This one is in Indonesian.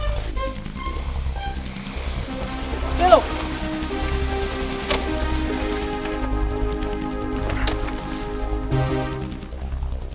aku bakal ganti obama